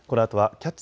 「キャッチ！